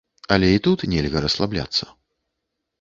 Але і тут нельга расслабляцца.